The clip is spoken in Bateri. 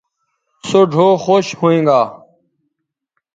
سوہ ڙھؤ خوش ھویں گے